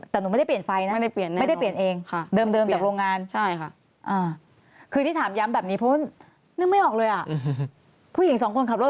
แต่หนูไม่ได้เปลี่ยนไฟนะ